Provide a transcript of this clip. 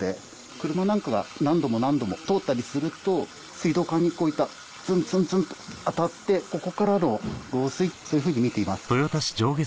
車なんかが何度も何度も通ったりすると水道管にこういったつんつんつんと当たってここからの漏水そういうふうにみています。